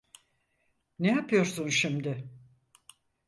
Ne yapıyorsun şimdi?